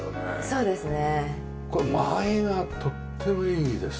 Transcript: そうですね。